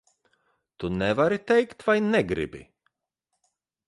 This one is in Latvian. Tu nevari teikt vai negribi?